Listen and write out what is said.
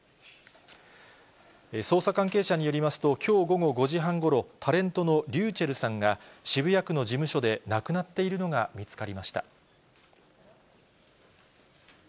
捜査関係者によりますと、きょう午後５時半ごろ、タレントのｒｙｕｃｈｅｌｌさんが、渋谷区の事務所で亡くなっているのが見つかりました。